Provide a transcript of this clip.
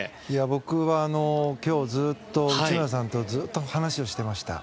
僕は今日、内村さんとずっと話をしていました。